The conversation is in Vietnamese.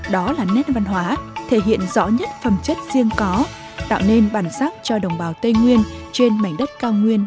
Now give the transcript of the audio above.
đó là nét văn hóa thể hiện rõ nhất phẩm chất riêng có tạo nên bản sắc cho đồng bào tây nguyên